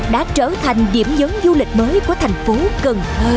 đã trở thành điểm nhấn du lịch mới của thành phố cần thơ